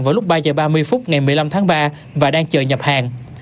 vào lúc ba h ba mươi phút ngày một mươi năm tháng ba và đang chờ nhập hàng